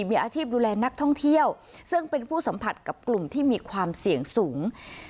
มีอาชีพดูแลนักท่องเที่ยวซึ่งเป็นผู้สัมผัสกับกลุ่มที่มีความเสี่ยงสูง